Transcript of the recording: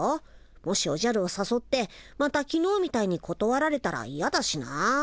もしおじゃるをさそってまたきのうみたいにことわられたらいやだしなあ。